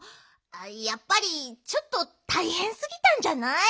やっぱりちょっとたいへんすぎたんじゃない？